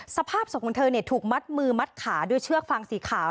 สภาพศพของเธอถูกมัดมือมัดขาด้วยเชือกฟางสีขาว